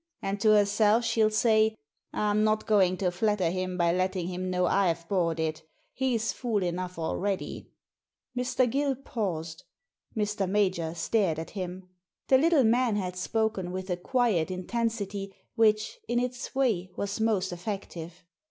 And to herself she'll say, ' I'm not going to flatter him by letting him know I've bought it He's fool enough already.'" Mr. Gill paused. Mr. Major stared at him. The little man had spoken with a quiet intensity which, in its way, was most effective.